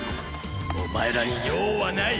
お前らに用はない！